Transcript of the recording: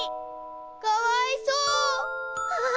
かわいそう！